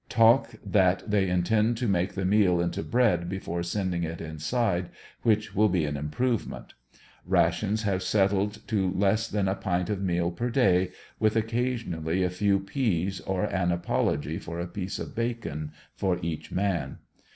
Talk that they intend to make the meal into bread before sending it inside, which will be an improvement. Rations have settled down to less than a pint of meal per day, with occa.: ionally a few peas, or an apology for a piece of bacon, for each man.